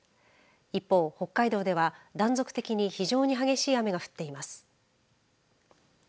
一方、北海道では断続的に非常に激しい雨が降っています。